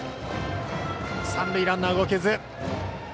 三塁ランナー、動けず。